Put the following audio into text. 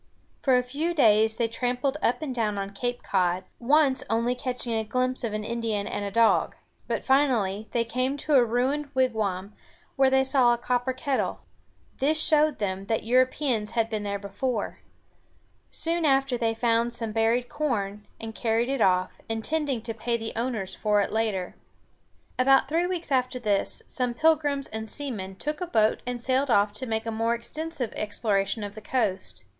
For a few days they tramped up and down on Cape Cod, once only catching a glimpse of an Indian and a dog. But finally they came to a ruined wigwam, where they saw a copper kettle. This showed them that Europeans had been there before. Soon after they found some buried corn, and carried it off, intending to pay the owners for it later. About three weeks after this, some Pilgrims and seamen took a boat and sailed off to make a more extensive exploration of the coast.